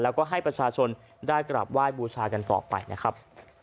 แล้วก็ให้ประชาชนได้กราบไหว้บูชากันต่อไปนะครับ